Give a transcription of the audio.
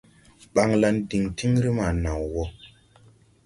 Ɓanlan diŋ tiŋri ma naw wɔ.